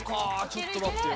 ちょっと待ってよ。